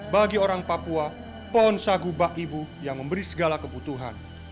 bagi orang papua pohon sagu bak ibu yang memberi segala kebutuhan